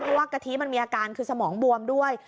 เพราะว่ากะทิมันมีอาการคือสมองบวมด้วย